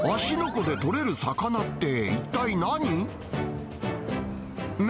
湖で取れる魚って、一体何？